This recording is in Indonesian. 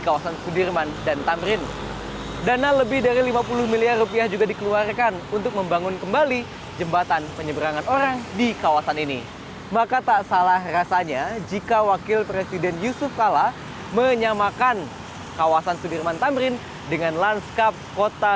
kota ini juga menunjukkan kota yang beradab dengan memberikan akses mumpuni bagi para pejalan kaki